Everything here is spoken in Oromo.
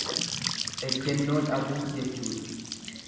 Ejjennoo dhabuu jechuudha.